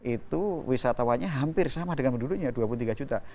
itu wisatawannya hampir sama dengan penduduknya dua puluh tiga juta